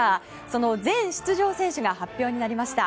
その全出場選手が発表になりました。